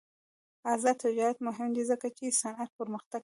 آزاد تجارت مهم دی ځکه چې صنعت پرمختګ کوي.